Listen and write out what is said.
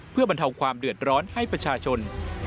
เพื่อบรรเทาความเดือดร้อนให้ประชาชน